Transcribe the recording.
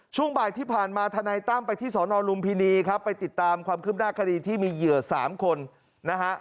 ช่วงบ่ายที่ผ่านมาธนายตั้มไปที่สนลุมพินีครับไปติดตามความคืบหน้าคดีที่มีเหยื่อสามคนนะฮะ